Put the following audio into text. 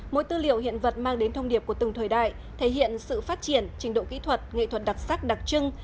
mỗi tư liệu hiện vật mang đến thông điệp của từng thời đại thể hiện sự phát triển trình độ kỹ thuật nghệ thuật đặc sắc đặc trưng